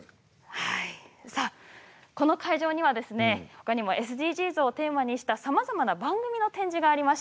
この会場にはほかにもＳＤＧｓをテーマにしたさまざまな番組の展示があります。